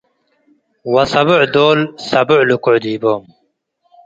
ወሰቦዕ ዶል ሰቦዕ ልክዑ ዲቦም ።